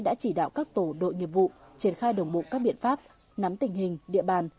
đã chỉ đạo các tổ đội nghiệp vụ triển khai đồng bộ các biện pháp nắm tình hình địa bàn